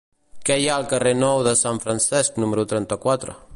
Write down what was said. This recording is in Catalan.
Què hi ha al carrer Nou de Sant Francesc número trenta-quatre?